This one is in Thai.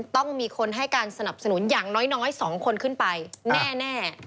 ต้องมีคนให้การสนับสนุนอย่างน้อย๒คนขึ้นไปแน่